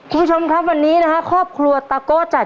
คุณผู้ชมครับวันนี้นะครับครอบครัวตะโกะจังหวัด